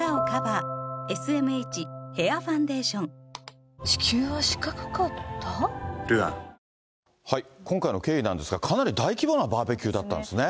警察は、今回の経緯なんですが、かなり大規模なバーベキューだったんですね。